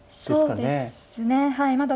そうですねはい。